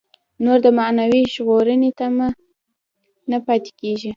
نور د معنوي ژغورنې تمه نه پاتې کېږي.